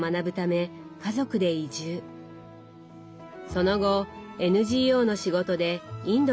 その後ＮＧＯの仕事でインドに滞在。